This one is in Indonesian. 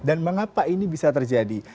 dan mengapa ini bisa terjadi